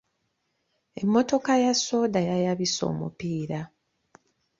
Emmotoka ya soda yayabise omupiira.